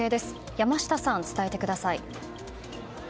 山下さん、伝えてください。